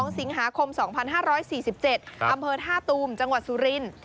๒สิงหาคม๒๕๔๗อำเภอท่าตูมจังหวัดสุรินทร์